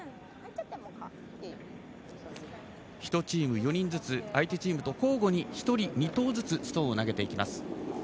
１チーム４人ずつ、相手チームと交互に１人２投ずつストーンを投げていきます。